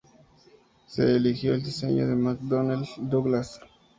Se eligió el diseño de McDonnell Douglas.